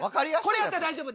これやったら大丈夫。